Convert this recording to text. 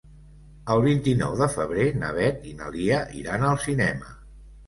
El vint-i-nou de febrer na Beth i na Lia iran al cinema.